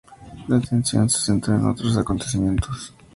La atención se centró en otros acontecimientos.